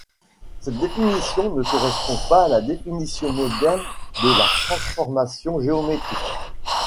Cette définition ne correspond pas à la définition moderne de la transformation géométrique.